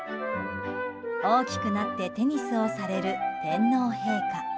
大きくなってテニスをされる天皇陛下。